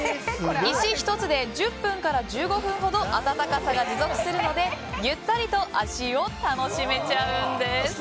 石１つで１０分から１５分ほど温かさが持続するのでゆったりと足湯を楽しめちゃうんです。